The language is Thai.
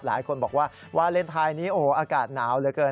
หลายคนบอกว่าวาเลนไทยนี้โอ้โหอากาศหนาวเหลือเกิน